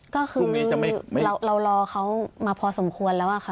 ก็คือเรารอเขามาพอสมควรแล้วค่ะ